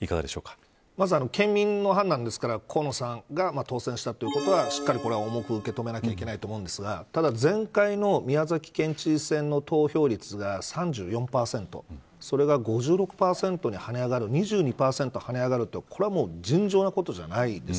まず県民の判断ですから河野さんが当選したことはしっかり重く受け止めなければいけないと思うんですがただ前回の宮崎県知事選の投票率が３４％それが５６％に跳ね上がる２２％跳ね上がるのは尋常なことじゃないです。